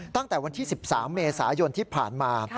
ตั้งแต่วันที่๑๓เมษายนที่ผ่านมา